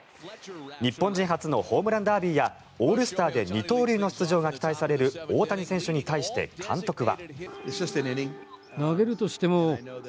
日本人初のホームランダービーやオールスターで二刀流の出場が期待される大谷選手に対して監督は。